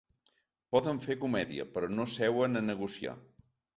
Poden fer comèdia, però no seuen a negociar.